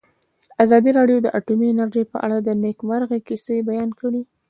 ازادي راډیو د اټومي انرژي په اړه د نېکمرغۍ کیسې بیان کړې.